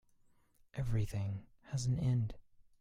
Everything has an end.